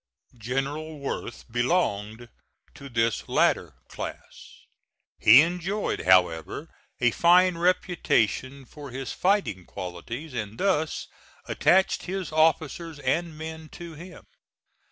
General Worth belonged to this latter class. He enjoyed, however, a fine reputation for his fighting qualities, and thus attached his officers and men to him.